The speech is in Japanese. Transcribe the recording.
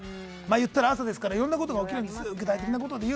いったら、朝ですからいろんなことが起きますよ。